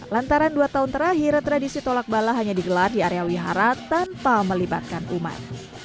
lantaran dua tahun terakhir tradisi tolak bala hanya digelar di area wihara tanpa melibatkan umat